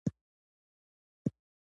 پوښتنه دا ده چې څنګه دا کافي وه؟